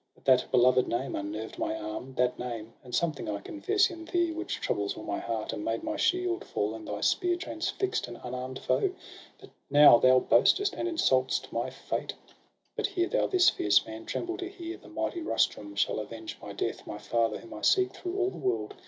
But that beloved name unnerved my arm — That name, and something, I confess, in thee. Which troubles all my heart, and made my shield Fall; and thy spear transfix'd an unarm'd foe. And now thou boastest, and insult' st my fate. But hear thou this, fierce man, tremble to hear: The mighty Rustum shall avenge my death ! My father, whom I seek through all the world.